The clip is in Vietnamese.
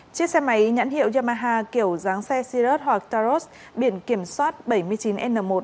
chiếc xe máy nhãn hiệu yamaha kiểu dáng xe cirrus hoặc taurus biển kiểm soát bảy mươi chín n một trăm bốn mươi ba nghìn bốn trăm linh hai